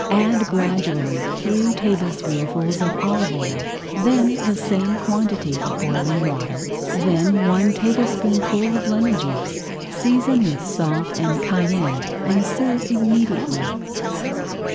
Add gradually three tablespoonfuls of olive oil, then the same quantity of boiling water, then one tablespoonful of lemon juice. Season with salt and cayenne and serve immediately.